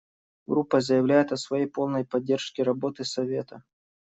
Группа заявляет о своей полной поддержке работы Совета.